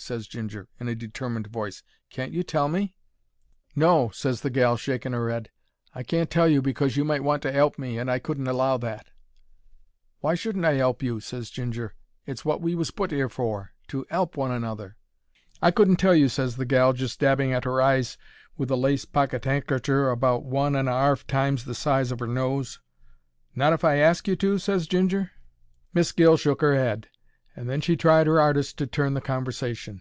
ses Ginger, in a determined voice. "Can't you tell me?" "No," ses the gal, shaking her 'ead, "I can't tell you because you might want to 'elp me, and I couldn't allow that." "Why shouldn't I 'elp you?" ses Ginger. "It's wot we was put 'ere for: to 'elp one another." "I couldn't tell you," ses the gal, just dabbing at'er eyes—with a lace pocket 'ankercher about one and a 'arf times the size of 'er nose. "Not if I ask you to?" ses Ginger. Miss Gill shook 'er 'ead, and then she tried her 'ardest to turn the conversation.